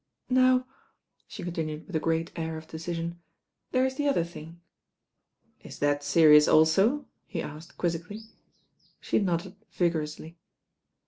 "Now," she continued with a ^reat air of decision, "there's the other thing." "Is that serious also?" he asked quizzically. She nodded vigorously.